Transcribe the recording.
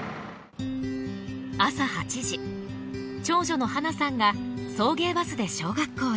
朝８時長女の花さんが送迎バスで小学校へ。